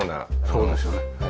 そうですよね。